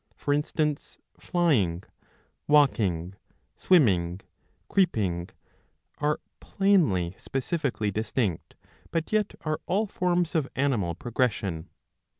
For instance, flying, walking, swim ming, creeping, are plainly specifically distinct, but yet are all forms of animal progression.)